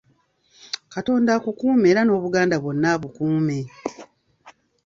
Katonda akukume era n’Obuganda bwonna abukuume.